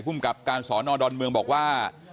ภูมิกับการสอนอดอนเมืองบอกว่า